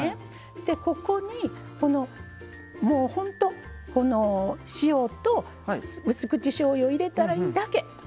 そしてここにこのもうほんとこの塩とうす口しょうゆを入れたらいいだけ。